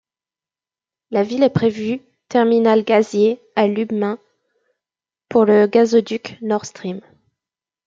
La ville est prévue terminal gazier, à Lubmin, pour le gazoduc Nord Stream.